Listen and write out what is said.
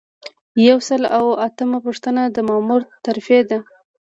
یو سل او اتمه پوښتنه د مامور ترفیع ده.